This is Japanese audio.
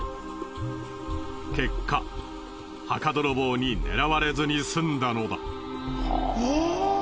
結果墓泥棒に狙われずに済んだのだ。